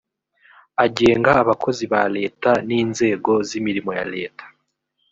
agenga abakozi ba leta n inzego z imirimo ya leta